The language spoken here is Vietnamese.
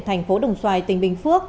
thành phố đồng xoài tỉnh bình phước